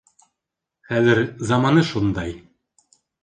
Хәҙер заманы шундай.